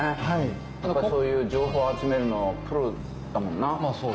はいそういう情報集めるのプロだもんなまあ